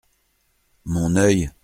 Mon œil !